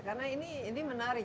karena ini menarik